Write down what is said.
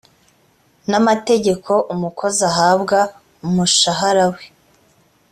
n amategeko umukozi ahabwa umushahara we